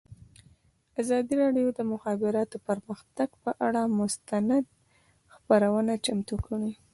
ازادي راډیو د د مخابراتو پرمختګ پر اړه مستند خپرونه چمتو کړې.